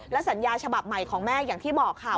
สัญญาฉบับใหม่ของแม่อย่างที่บอกค่ะ